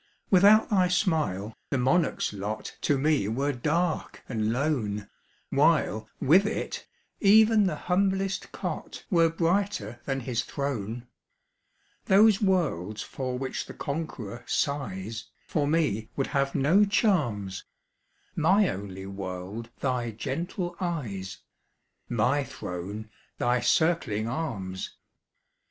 Without thy smile, the monarch's lot To me were dark and lone, While, with it, even the humblest cot Were brighter than his throne. Those worlds for which the conqueror sighs For me would have no charms; My only world thy gentle eyes My throne thy circling arms!